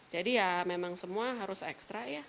jadi ya memang semua harus ekstra ya